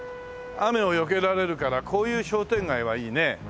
雨をよけられるからこういう商店街はいいね。